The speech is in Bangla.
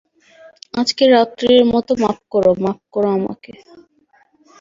আজকের রাত্তিরের মতো মাপ করো, মাপ করো আমাকে।